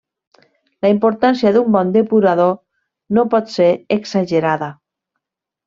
La importància d'un bon depurador no pot ser exagerada.